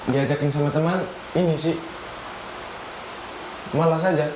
diajakin sama teman ini sih malas aja